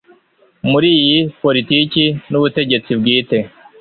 muri politiki n'ubutegetsi bwite